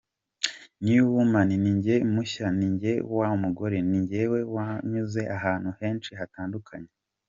New Woman’ ni njye mushya, ninjye wa mugore, ni njyewe wanyuze ahantu henshi hatandukanye.